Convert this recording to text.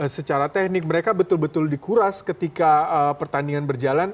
secara teknik mereka betul betul dikuras ketika pertandingan berjalan